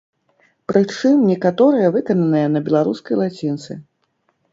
Прычым, некаторыя выкананыя на беларускай лацінцы.